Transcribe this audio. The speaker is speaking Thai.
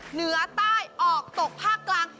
เหนือใต้ออกตกภาคกลาง